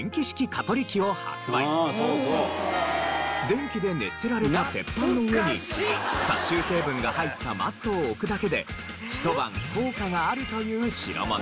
電気で熱せられた鉄板の上に殺虫成分が入ったマットを置くだけでひと晩効果があるという代物。